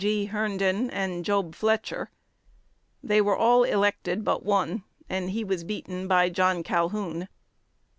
G. Herndon and Job Fletcher. They were all elected but one, and he was beaten by John Calhoun.